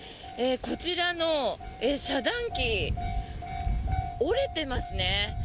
こちらの遮断機、折れてますね。